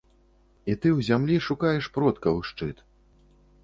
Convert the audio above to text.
І ты ў зямлі шукаеш продкаў шчыт.